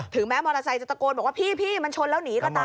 แม้มอเตอร์ไซค์จะตะโกนบอกว่าพี่มันชนแล้วหนีก็ตาม